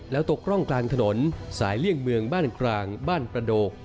แล้วตกร่องกลางถนนสายเลี่ยงเมืองบ้านกลางบ้านประโดก